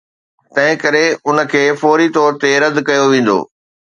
تنهنڪري ان کي فوري طور تي رد ڪيو ويندو.